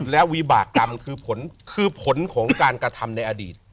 และวิบากรรมคือผลคือผลของการกระทำในอดีต